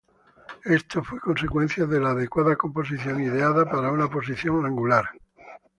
Esto fue consecuencia de la adecuada composición ideada para una posición angular.